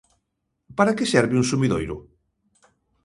Para que serve un sumidoiro?